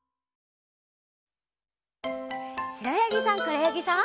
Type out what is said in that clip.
しろやぎさんくろやぎさん。